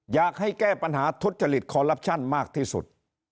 อยากให้แก้ปัญหาทุจริตคอลลับชั่นมากที่สุด